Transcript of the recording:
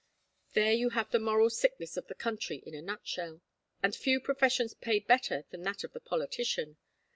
There you have the moral sickness of the country in a nutshell. And few professions pay better than that of the politician.